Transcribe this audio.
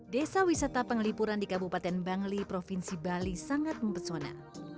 desa wisata pengelipuran di kabupaten bangli provinsi bali sangat mempesona